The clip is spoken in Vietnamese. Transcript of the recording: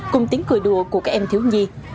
cùng tiếng cười đùa của các em thiếu nhi